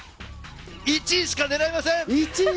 １位しか狙いません！